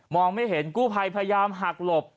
ไม่เห็นกู้ภัยพยายามหักหลบ